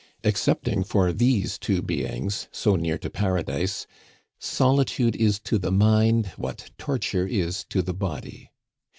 Excepting for these two beings so near to Paradise solitude is to the mind what torture is to the body.